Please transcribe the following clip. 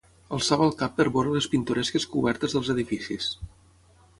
Alçava el cap per veure les pintoresques cobertes dels edificis